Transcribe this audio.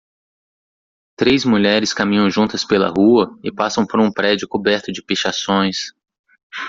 Três mulheres caminham juntas pela rua e passam por um prédio coberto de pichações.